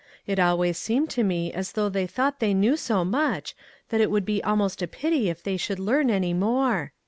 It always seemed to me as though they thought they knew so much, that it would be almost a pity if they should learn any more